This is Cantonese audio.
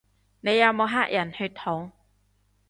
你有冇黑人血統